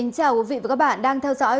cảm ơn các bạn đã theo dõi